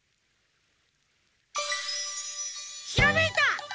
ひらめいた！